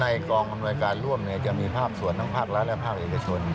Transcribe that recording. กองอำนวยการร่วมจะมีภาคส่วนทั้งภาครัฐและภาคเอกชน